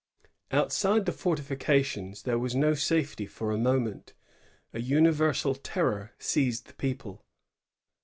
Outside the fortifications there was no safety for a moment. .A universal terror seized the people.